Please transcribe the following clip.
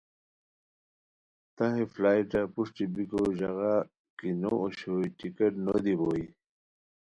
تہ ہے فلائٹا پروشٹی بیکو ژاغا کی نو اوشوئے ٹکٹ نو دی بوئے